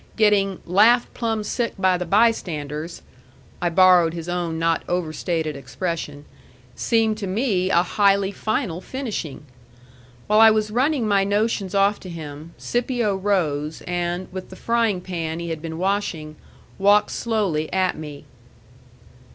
Getting "laughed plumb sick by the bystanders" (I borrowed his own not overstated expression) seemed to me a highly final finishing. While I was running my notions off to him, Scipio rose, and, with the frying pan he had been washing, walked slowly at me.